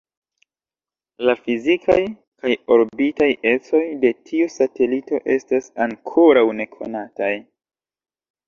La fizikaj kaj orbitaj ecoj de tiu satelito estas ankoraŭ nekonataj.